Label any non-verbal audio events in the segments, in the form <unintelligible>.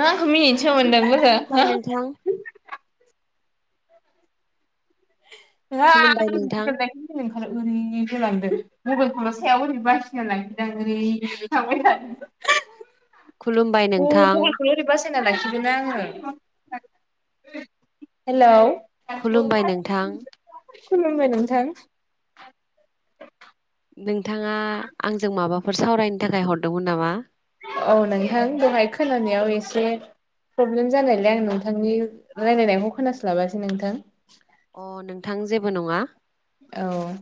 नों आंखो मिनिनोसो मोनदों लोगो खुलुमबाय हो? नोंथां <unintelligible> खुलुमबाय नोंथां लांदों मबाइलखौल' सायाव ओरै बासिना लाखिदां ओरै थांबाय थादों। खुलुमबाय अ नोंथां मबाइलखौ ओरै बासि ना लाखिदों ना आङो। हेलौ खुलुमबाय नोंथां। खुलुमबाय नोंथां। नोंथाङा आंजों माबाफोर सावरायनो थाखाय हरदोंमोन नामा? औ नोंथां दहाय खोनानायाव एसे प्रब्लेम जानायलाय आं नोंथांनि रायलायनायखौ खोनास्लाबासै नोंथां। अ नोंथां जेबो नङा। औ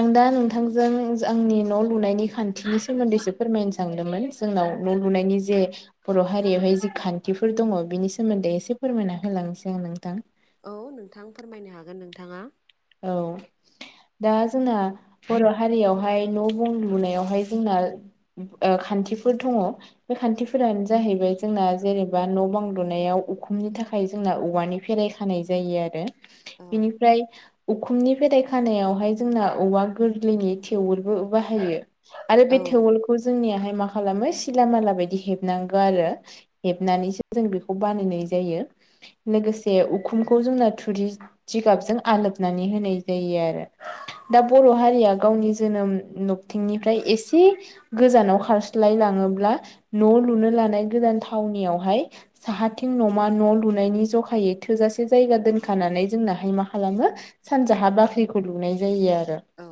आं दा नोंथांजों आंनि न' लुनायनि खान्थिनि सोमोन्दैसो फोरमायनो सानदोंमोन। जों नाव न' लुनायनि जे बर' हारियावहाय जि खान्थिफोर दङ बिनि सोमोन्दै एसे फोरमायना होलां <unintelligible> नोंथां औ नोंथां फोरमायनो हागोन नोंथाङा। औ दा जोंना बर' हारियावहाय न' बुं लुनायावहाय जोंना ओ खान्थिफोर दङ बे खान्थिफोरानो जाहैबाय जोंना जेनेबा न' बां लुनायाव उखुमनि थाखाय जोंना औवानि फेराय खानाय जायो आरो औ बिनिफ्राय उखुमनि फेराय खानायावहाय जोंना औवा गोरलैनि थेङलबो बाहायो। आरो बे औ थेवलखौ जोंनियाहाय मा खालामो सिलालामाला बायदि हेबनांगौ आरो हेबनानैसो जों बेखौ बानायनाय जायो। लोगोसे उखुमखौ जोंना थुरि जिगाबजों आलोब नानै होनाय जायो आरो। दा बर' हारिया गावनि जोनोम नबथिंनिफ्राय एसे गोजानाव खारस्लायला न' लुनो लानाय गोदान थावनियावहाय साहाथिं नमा न' लुनायनि जखायै थोजासे जायगा दोनखानानै जोंनाहाय मा खालामो सानजाहा बाख्रिखौ लुनाय जायो आरो। औ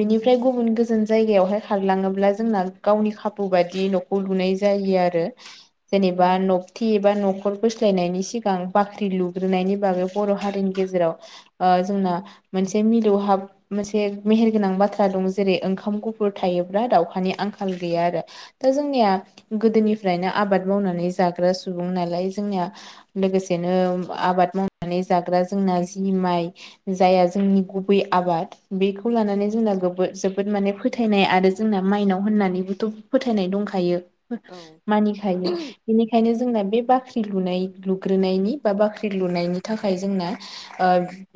बिनिफ्राय गुबुन गोजोन जायगायावहाय खारलाङोब्ला जोंना गावनि खाबु बादि न'खौ लुनाय जायो। आरो‌। ‌ जेनेबा नबथि एबा न'खर बोस्लायनायनि सिगां बाख्रि लुग्रोनायनि ब बर' हारिनि गेजेराव ओ जोंना मोनसे मिलौहाब मोनसे मेहेर गोनां बाथ्रा दं जेरै ओंखाम गुफुर थायो दाउखानि आंखाल गैया आरो दा जोंनिया गोदोनिफ्रायनो आबाद मावनानै जाग्रा सुबुं नालाय जोंनिया लोगोसेनो आबाद मावनानै जाग्रा जोंना जि माइ जाया जोंनि गुबै आबाद बेखौ लानानै जोंना गोबो-जोबोद माने फोथायनाय आरो जोंना माइनाव होननानैबोथ' फोथायनाय दंखायो। औ मानिखायो बेनिखायनो जोंना बे बा बाख्रि लुनाय लुग्रोनायनि बा बाख्रि लुनायनि थाखाय जोंना ओ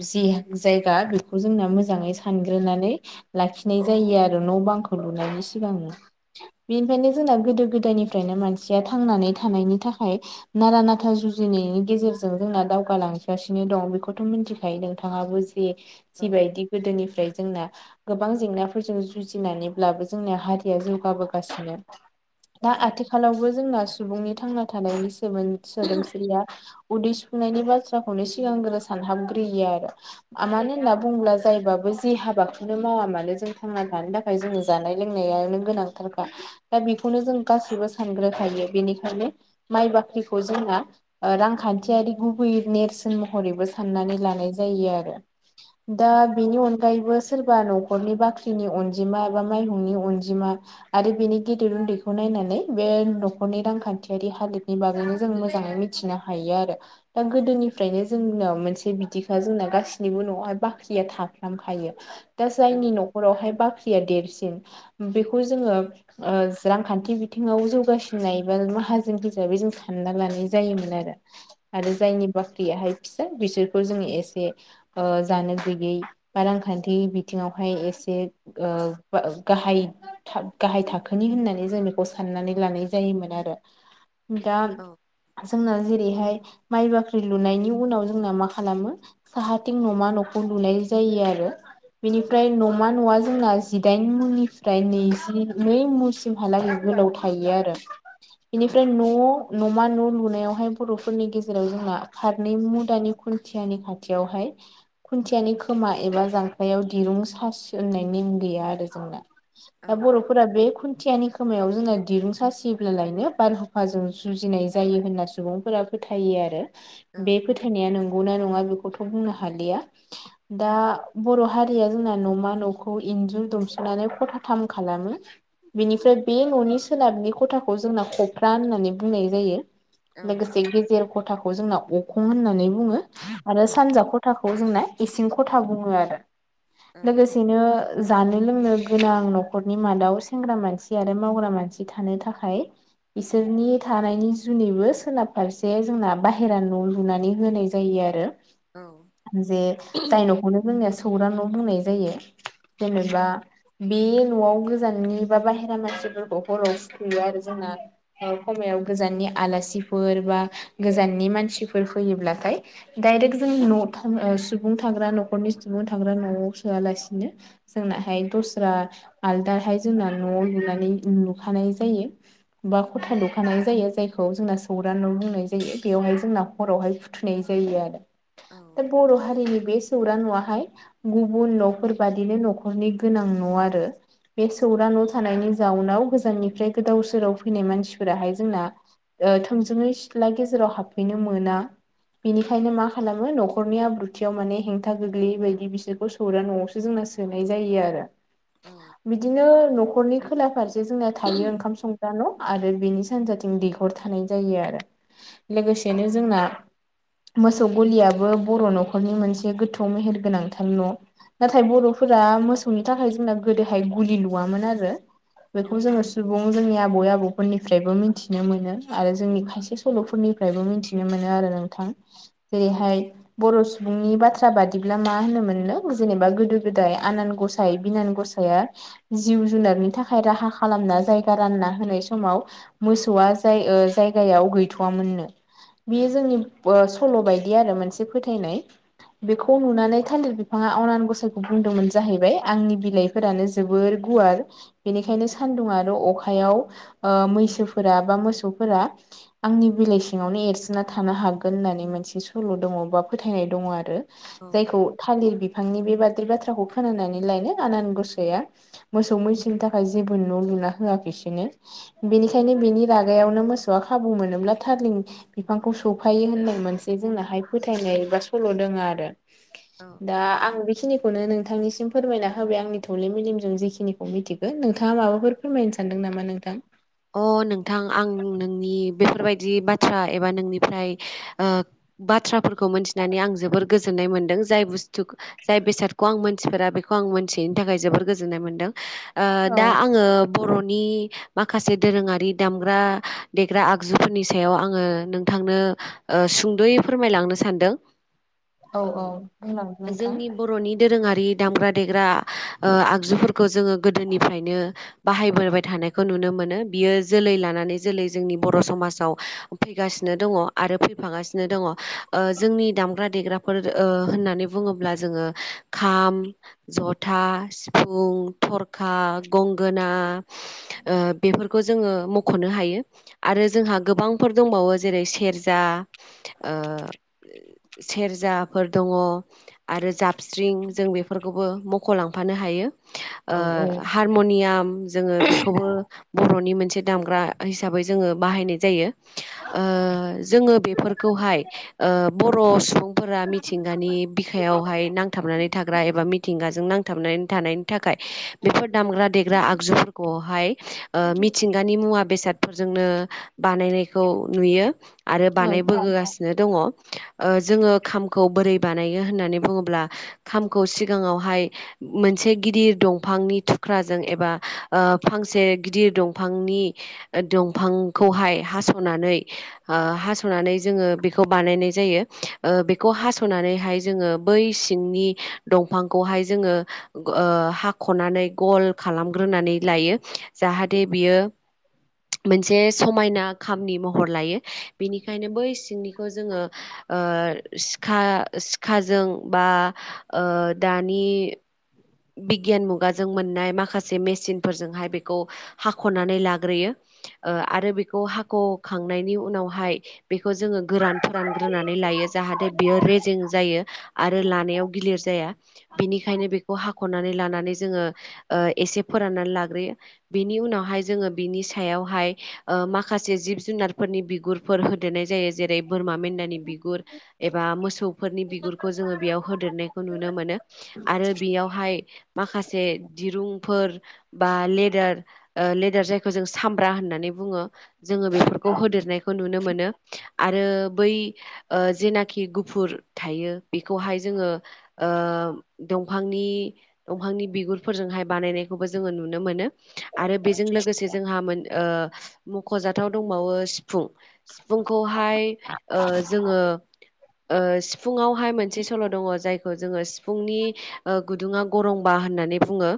जि जायगा बेखौ जोंना मोजाङै सानग्रोनानै लाखिनाय जायो आरो न' बांखौ लुनायनि सिगां बेनिखायनो जोंना गोदो गोदायनिफ्रायनो मानसिया थांनानै थानायनि थाख खाय नारा नाथा जुजिनायनि गेजेरजों जोंना दावगाालांगगासिनो दं बेखौथ' मिथि खायो नोंथाङाबो जे औ जिबायदि गोदोनिफ्राय जोंना गोबां जेंनाफोरजों जुजिनानैब्लाबो जोंना हारिया जौगाबोगासिनो। औ दा आथिखालावबो जोंना सुबुंनि थांना थानायनि सोमो-सोदोमस्रिया उदै सुनायनि बाथ्राखौनो सिगांग्रो सानहाबगोन आरो मानो होनना बुंङोब्ला जायबाबो ज हाबाखौनो मावा मानो जों थांना थानो थाखाय। जो जानाय लोंनायानो गोनांथारखा दा बेखौनो जों गासैबो सानग्रोखायो बेनिखायनो। माइ बाख्रिखौ जोंना रांखान्थियारि गुबै नेरसोन महरैबो साननानै जनि सोरबा न'खरनि बाख्रिनि अनजिमा एबा माइहुंनि अनजिमा आरो बेनि गेदिर उन्दैखौ नाय बे न'खरनि रांखान्थियारि हालोदनि बागैनो जों मोजाङै मिथिनो हायो आरो। गोदोनिफ्रायनो जोंनाव मोनसे। बिखा जोंना गाससिनिबो न' बाख्रिया थाफखायो दा औ जायनि न'खरावहाय बाख्रि। देरसिन बेखौ जोङो रांखान्थि बिथिङाव जौगासिननाय एबा मा माजोन हिसाबै जों सानना लानाय जायोमोन आरो औ आरो जायनि बाख्रियाहाय फिसा बिसोर। फोर जोो एसे जानो गैयै बा रांखान्थि बिथिङावहाय एसे गाहाय गाहाय थाखोनि होननानै जों बेखौ साननानै लानाय जायोमोन आरो। दा औ जोंना जेरैहाय माइ बाख्रि लुनायनि उनाव जोंना माखासे। खालामो साहाथिं न'मा न'खौ नुलाय जायो आरो। बेनिफ्राय न'मा न'आ जोंना जिदाइन मुनिफ्राय नैजि नै मुसिमहालागै। गोलाव थायो आरो बेनिफ्राय औ न' न'मा न' लुनायावहाय बर'फोरनि गेजेराव जोंना खारनै मु दानि खन खुन्या नि खाथियावहाय खुन्थियानि खोमा एबा जांख्लायाव दिरुं सास होननायनि। ग जों दा औ बर'। खुथियानि खोमायाव जोंना दिरुं सासियोब्लालायनो बारहुफाजों जुजिनाय जायो होनना सुबुंफोरा फैयो। फोथाय आरो बे फोथायनाया ननो नङा बेखौथ' बुंनो हालिया दा बर' हारिया जोंना न'मा न'खौ। इन्जुर दुमसनानै फथाथाम खालामो बेनिफ्राय बे न'नि सोनाबनि खथाखौ जोंना खफ्रा होननानै बुंनाय जायो। लोगोसे गेजेर खथाखौ जोंना अखं होननानै बुङो। आरो औ सानजा खथाखौ जोंना इसिं खथा बुङो आरो लोगोसेनो जानो लोंनो गोनां न'खरनि मादाव सेंग्रा मानसि आरो मावग्रा मानसि थानो थाखाय। बिसोरनि थानायनि जुनैबो सोनाब फारसे जोंना बाहेरा न' लुनानै होनाय जायो। जायो आरो जे जाय न'खौनो जोंनिया सौर्रा न' बुंनाय जायो। जेनेबा बे न'आव गोजाननि बा बाहेरा मानसिफोरखौ हराव सुखैयो आरो जों जना खायाव गोजाननि आलासिफोर बा गोजाननि मानसिफोर फैयोब्लाथाय। डायरेक्ट जों न थ सुबुं थाग्रा न'खरनि सुबुं थाग्रा न'आव सोआलासिनो। जोंनाहाय दस्रा आलदाहाय जोंना न'आव लुनानै लुखानाय जायो। बा खथा लुखानाय जायो जायखौ जोंना सौर न' लोंनाय जायो बेवहाय जोंना हरावहाय फुथ न सै आरो आरो। दा बर' हारिनि बे सौरां न'आाहाय गुबुन न'फोर बादिनो न'खरनि गोनां न' न आरो बे सौरा न' थानायनि जाउनाव गोजाननिफ्राय गोदाव सोराव फैनाय मानसिफोराहाय जोंना। थोंजोङै सिथ्ला गेजेराव हाबफैनो मोना। बेनिखायनो मा खालामो न'खरनि आब्रुथियाव माने हेंथा गोग्लै बायदि बिसोरखौ सौरा न'आवसो जोंना सोनाय जायो आरो बिदिनो न'खरनि खोला फारसे जोंनाया थायो ओंखाम संग्रा न' आरो बेनि सानजाथिं दैहर थानाय जायो आरो लोगोसेनो जोंना। मोसौ गलियाबो बर' न'खरनि मोनसे गोथौ मेहेर गोनांथार न' नाथाय बर'फोर मोसौनि थाखाय जोंना गोदोहाय ग लु आरो बे ज जोंनि आबै आबौफोरनिफ्रायबो मिथिनो मोनो आरो जोंनि खायसे सल'फोरनिफ्रायबो मिथिनो मोनो आरो। नोंथां जेरैहाय बर' सुबुंनि बाथ्रा बादिब्ला मा होनोम मोनदों जेनेबा गोदो गोदाय आनान गसाय बिनान गसाया। जिब जुनारनि थाखाय राहा खालामना जायगा रानना होनाय समाव मोसौआ जाय जायगायाव गैथ'वोननो औ बेयो जोंनि ओ सल' बदि आरो मोनसे फोथायनाय। बेखौ नुनानै थान्दिर बिफाङा अनान गसाइखौ बुंदोंमोन जाहैबाय आंनि बिलाइफोरानो जोबोर गुवार बेनिखायनो सान्दुं आरो अखायाव ओ मैसोफोरा बा मोसौफोरा आंनि बिलाइ सिङावनो एरसिनना थानो हागोन। गोन होनना मोनसे सल' दं एबा फोथायनाय दं आरो जायखौ थालिर बिफां बिफांनि बे बाद्रि बाथ्राखौ खोनानानै लायनो आनान गसोआ मोसौ मैसोनि थाखाय जेबो न' लु होया इसोरनो बेनिखायनो थानायावनो मोसौआ खाबु मोनोब्ला थालिर बिफांखौ सौ सफायो होननाय मोनसे जोंनाहाय फोथायनाय बा सल' दोङ आरो। औ दा आं बेखिनिखौनो नोंथां नोंथांनिसिम फोरमायना होबाय आंनि थौलेम मेलेमजों जेखिनिखौ मिथिगोन नोंथाङा माबाफोर फोरमायनो सानदों नामा नोंथां? अ नोंथां आं नोंनि बेफोरबायदि बाथ्रा एबा नोंनिफ्राय ओ बाथ्राफोरखौ मोनथिनानै आं जोबोर गोजोननाय मोनदों जाय बुस्थु जाय बेसादखौ आं मोनथिफोरा बेखौ खौ आं मोनथिैनो थाखाय जोबोर गोजोन्नाय मोनदों ओ औ दा आङो बर'नि माखासे माखासे दोरोङारि दामग्रा देग्रा आगजुफोरनि सायाव आङो नोंथांनो ओ सु सुंदयै फोरमायलांनो सानदों औ औ बुंलां नोंथां जोंनि बर'नि दोरोङारि दामग्रा देग्रा ओ आगजुफोरखौ जोङो गोदोनिफ्रायनो बाहायबोबाय थानायखौ नुनो मोनो। म बियो जोलै लानानै जोलै जोंनि बर' समाजाव फैगासिनो दङ आरो फैफागासिनो दङ। ओ जोंनि दामग्रा देग्रा ओ होननानै बुङोब्ला जोङो खाम जथा सिफुं थरखा गंगोना ओ बेफोरखौ जोङो मख'नो हायो आरो जोंहा गोबांफोर दंबावो जेरै सेरजा ओ सेरजाफोर दङ आरो जाबस्रिं जों बेफोरखौ बे मख'लांनो हायो औ औ हारमनियाम जोङो बेखौबो बर'नि मोनसे दामग्रा हिसाबै जोङो बाहायनाय जायो। जोङो बेफोरखौहाय बर' सुबुं फोर मिथिंगानि बिखायावहाय नांथाबनानै थाग्रा एबा मिथिंगाजों नां बनानै थानायनि थाखाय बेफोर दामग्रा देग्रा आगजुफोरखौहाय ओ मिथिंगानि मुवा बेसादफोरजोंनो जों बानायनायखौ नुयो। आरो औ बानायबोगासिनो दङ। ओ जोङो खामखौ बोरै बानायो होननानै बुङोब्ला खामखौ सिगाङावहाय मोनसे गिदिर दंफांनि थुख्राजों एबा ओ फांसे गिदिर दंफांनि दंफांखौहाय हास'नानै ओ हास'नानै जोङो बेखौ बानायनाय जायो ओ बेखौ हास'नानै बै सिंनि दं दंफांखौहाय जोङो ओ हाख'नानै गल खालामग्रोनानै लायो। जाहाथे बियो मोनसे समायना खामनि महर लायो बेनिखायनो बै सिंनिखौ जोङो ओ सिखा सिखाजों बा ओ दानि बिगियान मुगाजों मोननाय माखासे मेसििनफोरजोंहाय बेखौ हाख'नानै लाग्रोयो। ओ आरो बेखौ हाख'खांनायनि उनावहाय बेखौ जोङो गोरान फोरान ग्रोनानै ला जाहाथे बियो रेजें जायो आरो लानायाव बियो गोलोर जाया बेनिखायनो बे हाख'नानै लानानै जोङो ओ एसे फोराननानै लाग्रोयो बेनि उनावहाय जोङो बिनि सायावहाय ओ माखासे जिब जुनारफोरनि बिगुरफोर होदेरनाय जायो जेरै बोरमा मेन्दानि बिगुर एबा मोसौफोरनि बिगुरखौ जोङो बेयाव होदेरनायखौ नुनो मोनो। आरो बेयावहाय माखासे दिरुंफोर बा लेदार ओ लेदार जायखौ जों सा होननानै बुङो जोङो बेफोरखौ होदेरनायखौ नुनो मोन आरो बै ओ ओ जेनाखि गुफुर थायो बेखौहाय जोङो ओ दं दफांनि दंफांनि बिगुरफोरजोंहाय बानायनायखौबो जोङो नुनो मोनो आरो बेजों लोगोसे जोंहा मोन ओ मख'जाथाव दंबावो सिफुं सिफुंखौहाय ओ ओ जोङो ओ सिफुङावहाय मोनसे सल' दङ जायखौ जोङो सिफुंनि ओ गुदुङा गरंबा होननानै बुङो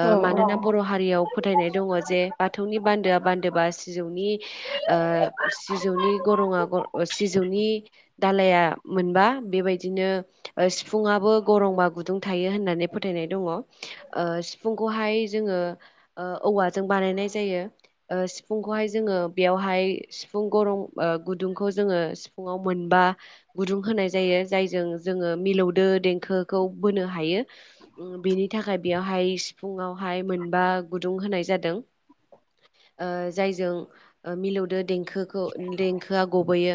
ओ औ मानोना बर' हारियाव फोथायनाय दङ जे बाथौनि बान्दोआ बान्दोबा सिजौनि ओ सिजौनि ग गरंआ गर ओ सिजौनि दालाया मोनबा बेबायदि ओ सिफुं आबो बो गरंबा गुदुं थायो होननानै फोथायनाय दङ। ओ सिफुंखौहाय जोङो ओ औवाजों बानाय नाय जायो। ओ सिफुंखौहाय जोङो बेयावहाय सिफुं गरं ओ गुदुंखौ जोङो सिफुंङाव मोनबा बा गुदुं होनाय जायो। जायजों जोङो मिलौदो देंखोखौ बोनो हायो उम बेनि थाखाय बेयावहाय सिफुुंआवहाय मोनबा गुदुं होनाय जादों। <inaudible> ओ जायजों ओ मिलौदो देंखोखौ देंखोआ गबोयो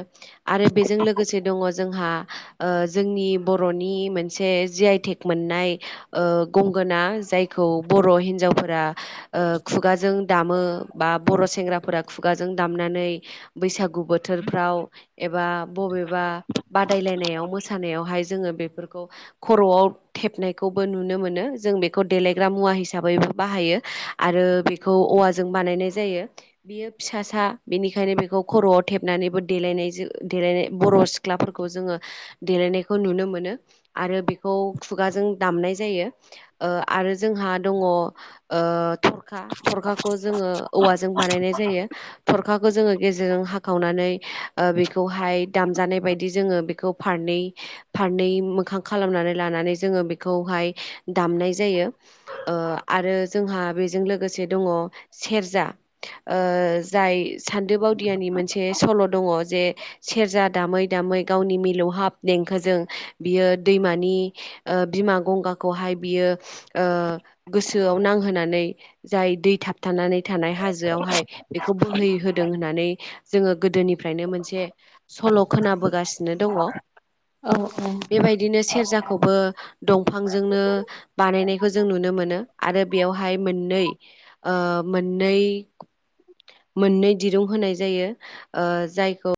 आरो बेजों लोगोसे दङ जोंहा ओ जोंनि बर'नि मोनसे जि आइ टेक मोननाय ओ गंगोना जाय खौ बर' हिन्जावफोरा ओ खुगाजों दामो बा बर' सेंग्राफोरा खुगाजों दामनानै बैसागु बोथोरफ्राव एबा बबेबा बादायलायनायाव मोसानायावहाय जोङो बेफोरखौ खर'आव थेबनायखौबो नुनो मोनो। जों बेखौ देलायग्रा मुवा हिसाबैबो बाहायो आरो बेखौ औवाजों बानायनाय जायो। बियो फिसासा बिनिखायनो बिखौ खर'आव थेबनानैबो देलायनाय जो ओ देलायनाय बर' सिख्लाफोरखौ जोङो देलायनायखौ नुनो मोनो आरो बेखौ खुगाजों दामनाय जायो। ओ आरो जोंहा दङ ओ थरखा थर खाखौ जोङो औवाजों बानायनाय जायो। थरखाखौ जोङो गेजेरजों हाखावनानै ओ बिखौहाय दामजानाय बायदि जोङो बिखौ फारनै फारनै मोखां खालामनानै लानानै जोङो बिखौहाय दामनाय जायो। ओ आरो जोंहा बेजों लोगोसे दङ सेरजा ओ जाय सान्दोबावदियानि मोनसे सल' दङ जे सेरजा दामै दामै गावनि मिलौहाब देंखोजों बियो दैमानि नि ओ बिमा गंगाखौहाय बियो ओ गोस सोआव नांहोनानै जाय दै थाब थानानै थानाय हाजोआवहाय बेखौ बोहैहोदों होन्नानै जोङो गोदोनिफ्रायनो मोनसे सल' खोनाबोगासिनो दङ। औ औ। बेबायदिनो सेरजाखौबो दंफांजोंनो बानायनायखौ जों नुनो मोनो आरो बेयावहाय मोननै ओ ओ मोननै मोननै दिरुं होनाय जायो ओ जायखौ